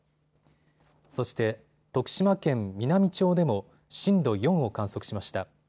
そして徳島県美波町でも震度４を観測しました。